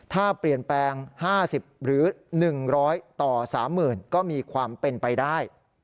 ถ้าเปลี่ยนแปลง๕๐หรือ๑๐๐ต่อ๓๐๐๐ก็มีความเป็นไปได้